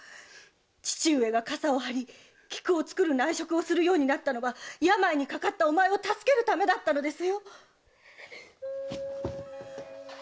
父上が傘を張り菊を作る内職をするようになったのは病にかかったお前を助けるためだったのですよ！